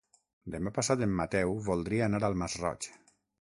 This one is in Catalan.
Demà passat en Mateu voldria anar al Masroig.